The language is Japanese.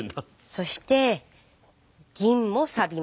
そして銀もサビます。